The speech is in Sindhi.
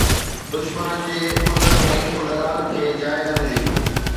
دشمن جي ٻڌڻ ۾ ان ڳالهه کي جاءِ نه ملي